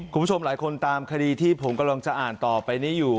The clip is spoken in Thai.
คุณผู้ชมหลายคนตามคดีที่ผมกำลังจะอ่านต่อไปนี้อยู่